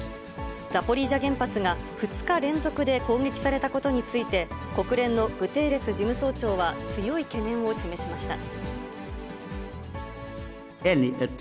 ザポリージャ原発が２日連続で攻撃されたことについて、国連のグテーレス事務総長は強い懸念を示しました。